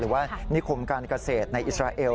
หรือว่านิคมการเกษตรในอิสราเอล